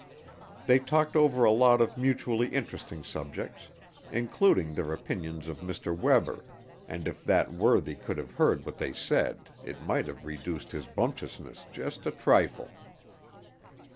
They talked over a lot of mutually interesting subjects, including their opinions of Mr. Webber, and if that worthy could have heard what they said it might have reduced his bumptiousness just a trifle.